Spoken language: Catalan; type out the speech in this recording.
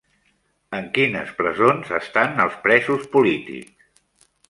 En quines presons estan els presos polítics?